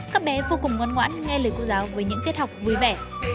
các bé vô cùng ngoan ngoãn nghe lời cô giáo với những tiết học vui vẻ